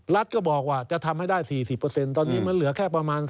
รัฐก็บอกว่าจะทำให้ได้๔๐ตอนนี้มันเหลือแค่ประมาณ